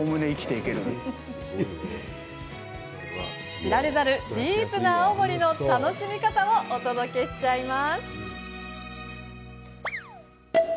知られざるディープな青森の楽しみ方をお届けしちゃいます。